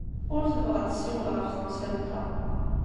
Ur tebɣi ad tessiwel ɣef temsalt-a.